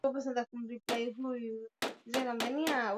msichana huyo alifika jijini new york